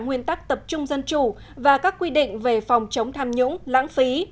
nguyên tắc tập trung dân chủ và các quy định về phòng chống tham nhũng lãng phí